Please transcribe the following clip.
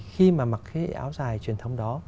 khi mà mặc cái áo dài truyền thống đó